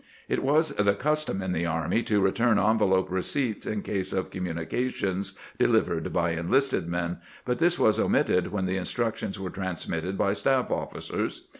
It was the custom in the army to return envelop receipts in case of communications de Hvered by enlisted men, but this was omitted when the instructions were transmitted by staff officers.